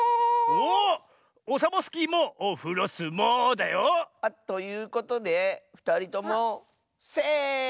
おっオサボスキーもオフロスモウーだよ。ということでふたりともセーフ！